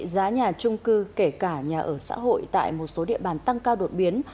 giá nhà trung cư kể cả nhà ở xã hội tại một số địa bàn tăng cao đột biến